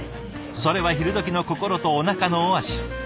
それは昼どきの心とおなかのオアシス。